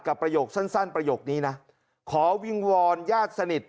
กับประโยคสั้นประโยคนี้นะขอวิงวอลญาดสนิต